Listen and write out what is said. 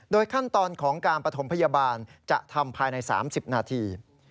ขั้นตอนของการปฐมพยาบาลจะทำภายใน๓๐นาที